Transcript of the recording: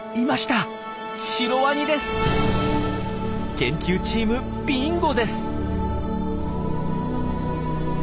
研究チームビンゴです！